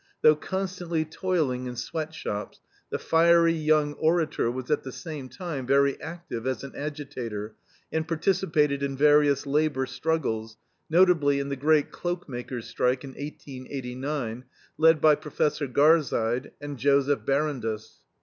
Through constantly toiling in sweat shops, the fiery young orator was at the same time very active as an agitator and participated in various labor struggles, notably in the great cloakmakers' strike, in 1889, led by Professor Garsyde and Joseph Barondess.